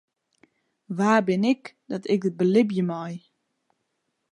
Wa bin ik dat ik dit belibje mei?